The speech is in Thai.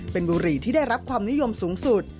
เป็นบุหรี่ที่ได้รับความนิยมสูงสุด